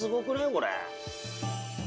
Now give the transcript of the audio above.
これ。